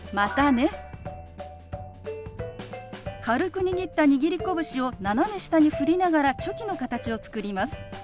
軽く握った握り拳を斜め下に振りながらチョキの形を作ります。